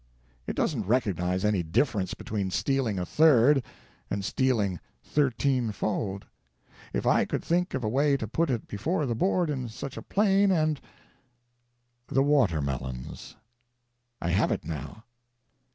It doesn't recog TO MY MISSIONARY CRITICS. 531 nize any difference between stealing a third and stealing thirteen f old. If I could think of a way to put it before the Board in such a plain and — THE WATERMELONS. I have it, now.